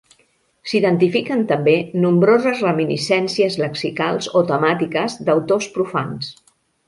S'identifiquen també nombroses reminiscències lexicals o temàtiques d'autors profans.